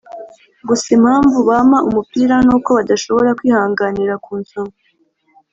gusa impamvu bampa umupira nuko badashobora kwihanganira kunsoma